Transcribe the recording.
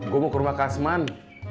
gue mau ke rumah kasman